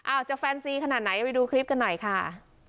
จะแฟนซีขนาดไหนไปดูคลิปกันหน่อยค่ะ